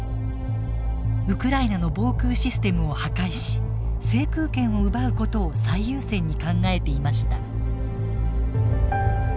ウクライナの防空システムを破壊し制空権を奪うことを最優先に考えていました。